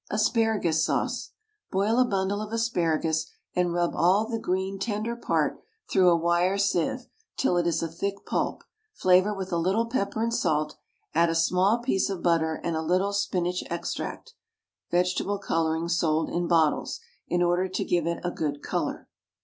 ASPARAGUS SAUCE. Boil a bundle of asparagus and rub all the green, tender part through a wire sieve, till it is a thick pulp, flavour with a little pepper and salt, add a small piece of butter, and a little spinach extract (vegetable colouring sold in bottles) in order to give it a good colour.